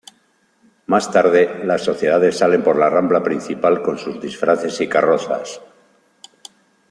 Más tarde, las sociedades salen por la rambla principal con sus disfraces y carrozas.